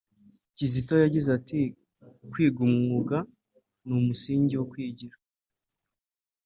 Kizito yagize ati ’’Kwiga umwuga ni umusingi wo kwigira